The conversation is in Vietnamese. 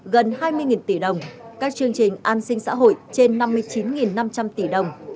gần hai mươi tỷ đồng các chương trình an sinh xã hội trên năm mươi chín năm trăm linh tỷ đồng